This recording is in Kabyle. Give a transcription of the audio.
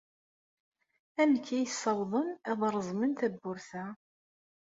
Amek ay ssawḍen ad reẓmen tawwurt-a?